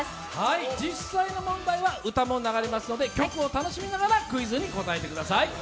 実際の問題は歌も流れますので曲を楽しみながらクイズに答えてください。